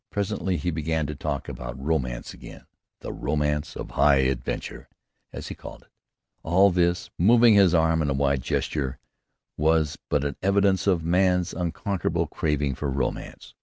Presently he began to talk about romance again, the "romance of high adventure," as he called it. "All this" moving his arm in a wide gesture was but an evidence of man's unconquerable craving for romance.